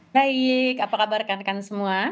baik apa kabar rekan rekan semua